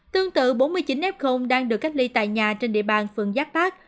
tương tự bốn mươi chín f đang được cách ly tại nhà trên địa bàn phường giác bác